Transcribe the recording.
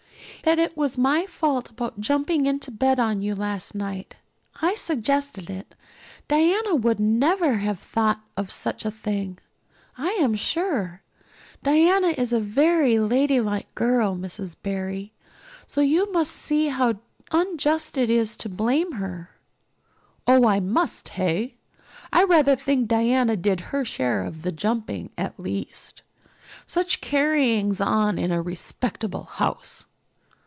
"That it was all my fault about jumping into bed on you last night. I suggested it. Diana would never have thought of such a thing, I am sure. Diana is a very ladylike girl, Miss Barry. So you must see how unjust it is to blame her." "Oh, I must, hey? I rather think Diana did her share of the jumping at least. Such carryings on in a respectable house!"